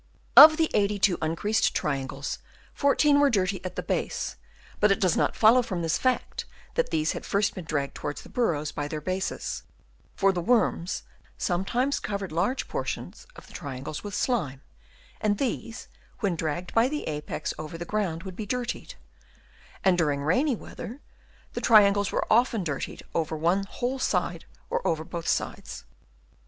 Of the 82 uncreased triangles, 14 were dirty at the base ; but it does not follow from this fact that these had first been dragged towards the burrows by their bases ; for the worms sometimes covered large portions of the triangles with slime, and these when dragged by the apex over the ground would be dirtied ; and during rainy weather, the triangles were often dirtied over one whole side or over both sides.